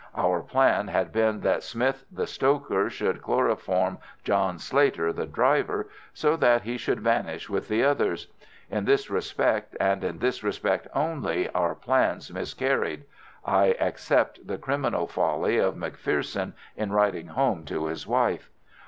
"Our plan had been that Smith the stoker should chloroform John Slater the driver, so that he should vanish with the others. In this respect, and in this respect only, our plans miscarried—I except the criminal folly of McPherson in writing home to his wife.